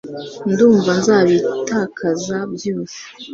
Ndumva nzabitakaza byose